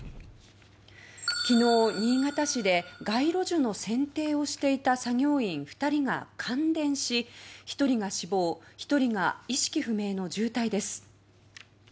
昨日、新潟市で街路樹の剪定をしていた作業員２人が感電し１人が死亡１人が意識不明の重体です。